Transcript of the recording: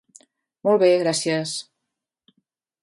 Molt bé, gràcies.